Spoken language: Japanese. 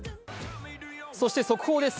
そして速報です。